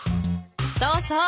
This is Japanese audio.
そうそう。